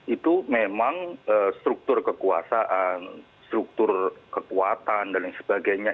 itu memang struktur kekuasaan struktur kekuatan dan lain sebagainya